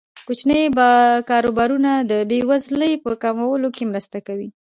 کوچني کاروبارونه د بې وزلۍ په کمولو کې مرسته کوي.